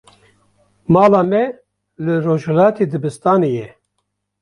Mala me li rojhilatê dibistanê ye.